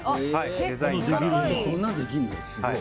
こんなのできんの？